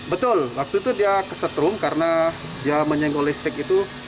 betul waktu itu dia kesetrum karena dia menyenggol listrik itu